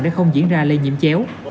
để không diễn ra lây nhiễm chéo